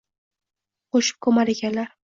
Qo’shib ko’mar ekanlar.